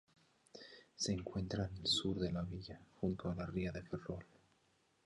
Se encuentra en el sur de la villa, junto a la Ría de Ferrol.